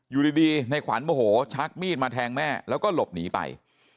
อยู่ดีในขวัญโมโหชักมีดมาแทงแม่แล้วก็หลบหนีไป